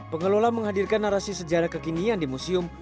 pengelola menghadirkan narasi sejarah kekinian di museum